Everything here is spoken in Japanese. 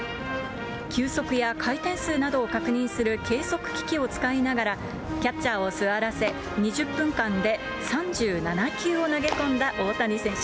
球速や回転数などを確認する計測機器を使いながら、キャッチャーを座らせ、２０分間で３７球を投げ込んだ大谷選手。